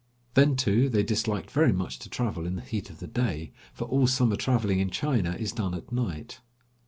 Then, too, they disliked very much to travel in the heat of the day, for all summer traveling in China is done at night.